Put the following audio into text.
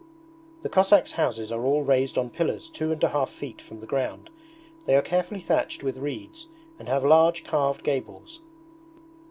The Cossacks' houses are all raised on pillars two and a half feet from the ground. They are carefully thatched with reeds and have large carved gables.